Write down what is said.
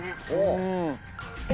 うん！